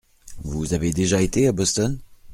Vous avez déjà été à Boston ?